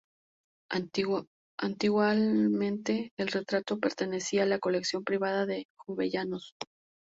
Antiguamente el retrato pertenecía a la colección privada de Jovellanos.